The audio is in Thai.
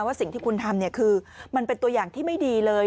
สิ่งที่คุณทำคือมันเป็นตัวอย่างที่ไม่ดีเลย